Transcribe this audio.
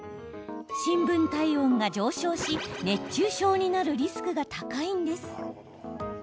深部体温が上昇し熱中症になるリスクが高いんです。